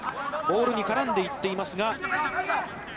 ボールに絡んでいっていますが。